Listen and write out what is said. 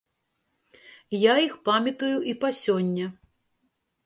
Я іх памятаю і па сёння.